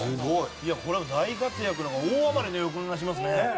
いやこれ大活躍の大暴れの予感がしますね。